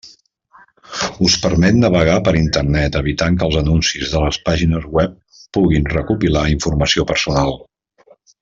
Us permet navegar per Internet evitant que els anuncis de les pàgines web puguin recopilar informació personal.